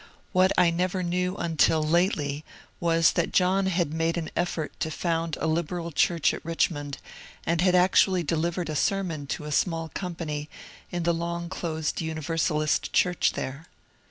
What I never knew until lately, was that John had made an effort to found a liberal church at Richmond, and had actually delivered a sermon to a small company in the long closed Universalist church there.